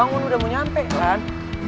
bangun udah mau nyampe kan